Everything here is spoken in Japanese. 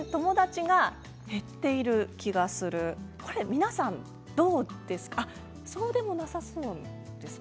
皆さん、どうですか？